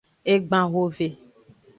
Egban hove.